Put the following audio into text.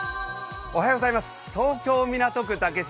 東京・港区竹芝